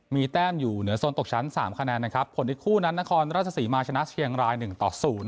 มีแต้มอยู่เหนือโซนตกชั้น๓คะแนนนะครับผลอีกคู่นั้นนครราชศรีมาชนะเชียงราย๑ต่อ๐